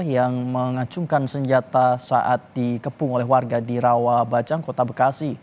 yang mengacungkan senjata saat dikepung oleh warga di rawa bacang kota bekasi